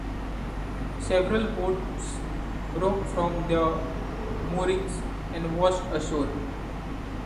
Several boats broke from their moorings and washed ashore.